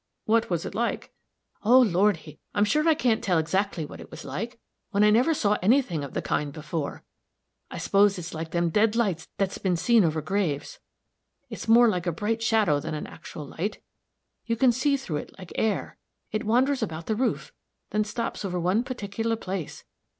"What was it like?" "Oh, Lordy, I'm sure I can't tell exactly what it was like, when I never saw any thing of the kind before; I suppose it's like them dead lights that's been seen over graves. It's more like a bright shadow than an actual light you can see through it like air. It wanders about the roof, then stops over one particular place.